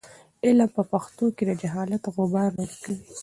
علم په پښتو کې د جهالت غبار لیرې کوي.